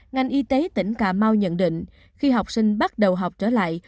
ngành y tế tỉnh cà mau nhận định khi học sinh bắt đầu học trở lại